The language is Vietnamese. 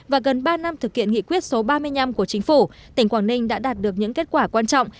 và gần ba năm thực hiện nghị quyết số ba mươi năm của chính phủ tỉnh quảng ninh đã đạt được những kết quả quan trọng